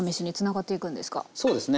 そうですね。